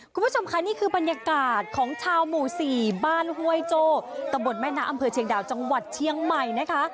คุณผู้ชมค่ะนี่คือบรรยากาศของชาวหมู่สี่บ้านห้วยโจ้ตะบนแม่นะอำเภอเชียงดาวจังหวัดเชียงใหม่นะคะ